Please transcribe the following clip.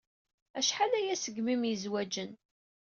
Acḥal aya segmi i myezwaǧen.